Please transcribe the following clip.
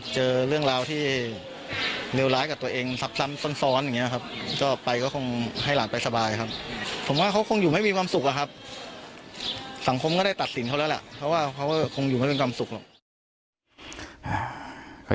เจอเรื่องราวที่เลวร้ายกับตัวเองซับซ้ำซ้อนอย่างนี้ครับก็ไปก็คงให้หลานไปสบายครับผมว่าเขาคงอยู่ไม่มีความสุขอะครับสังคมก็ได้ตัดสินเขาแล้วแหละเพราะว่าเขาก็คงอยู่ไม่เป็นความสุขหรอก